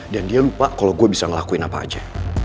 dan dia lupa kalau gue bisa ngelakuin apa aja